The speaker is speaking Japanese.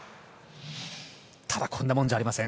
ただこんなもんじゃありません。